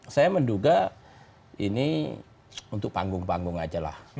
saya menduga ini untuk panggung panggung aja lah